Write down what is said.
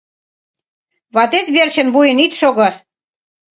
Ватет верчын вуйын ит шого.